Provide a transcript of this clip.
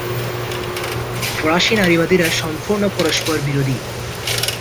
ফরাসি নারীবাদীরা সম্পূর্ণ পরস্পরবিরোধী।